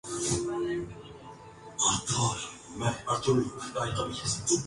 سبزۂ خط سے ترا کاکل سرکش نہ دبا